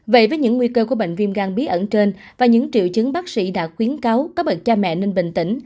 vậy với những nguy cơ của bệnh viêm gan bí ẩn trên và những triệu chứng bác sĩ đã khuyến cáo các bậc cha mẹ nên bình tĩnh